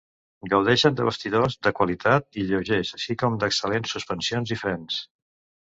Gaudeixen de bastidors de qualitat i lleugers, així com d'excel·lents suspensions i frens.